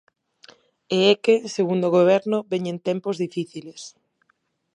E é que, segundo o Goberno, veñen tempos difíciles.